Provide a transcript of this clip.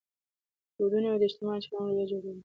دودونه د اجتماع چلند او رویه جوړوي.